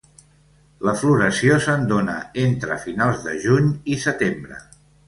La floració se'n dona entre finals de juny i setembre.